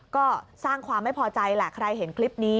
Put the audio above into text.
ก็สร้างความไม่พอใจแหละใครเห็นคลิปนี้